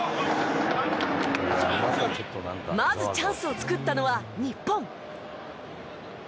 まずチャンスを作ったのは日本。